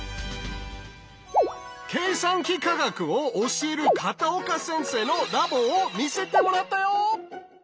計算機科学を教える片岡先生のラボを見せてもらったよ。